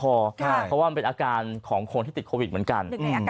เพราะว่ามันเป็นอาการของคนที่ติดโควิดเหมือนกัน